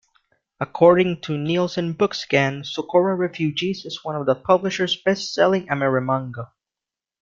According to Nielsen BookScan, "Sokora Refugees" is one of the publisher's best-selling amerimanga.